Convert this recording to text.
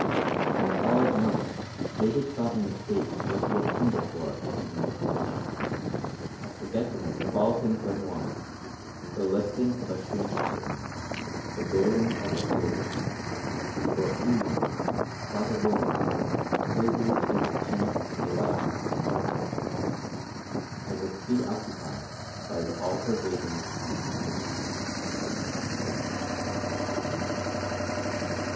And all at once David saw in his face what he had seen before when in the coach a forgetfulness of all things but one, the lifting of a strange curtain, the baring of a soul; and for a few moments Father Roland stood with his face turned to the light of the skies, as if preoccupied by an all pervading and hopeless grief.